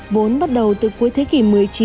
vốn bắt đầu từ cuối thế kỷ một mươi chín